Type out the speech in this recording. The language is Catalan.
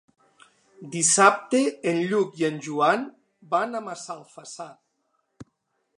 Dissabte en Lluc i en Joan van a Massalfassar.